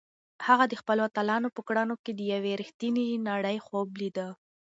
هغه د خپلو اتلانو په کړنو کې د یوې رښتیانۍ نړۍ خوب لیده.